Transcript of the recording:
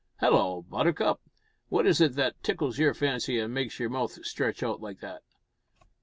Hallo! Buttercup, what is it that tickles your fancy an' makes your mouth stretch out like that?"